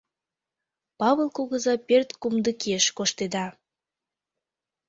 Павыл кугыза пӧрт кумдыкеш коштеда.